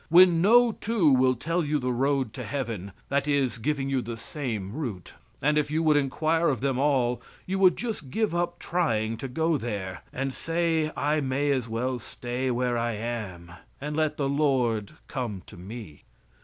When no two will tell you the road to Heaven, that is, giving you the same route and if you would inquire of them all, you would just give up trying to go there, and say I may as well stay where I am, and let the Lord come to me.